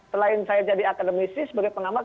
selain saya jadi akademisi sebagai pengamat